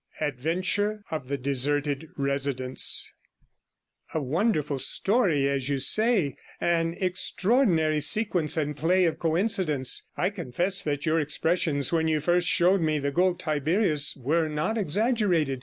ADVENTURE OF THE DESERTED RESIDENCE 143 'A wonderful story, as you say, an extraordinary sequence and play of coincidence. I confess that your expressions when you first showed me the Gold Tiberius were not exaggerated.